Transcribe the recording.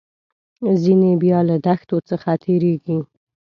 ځینې بیا له دښتو څخه تیریږي.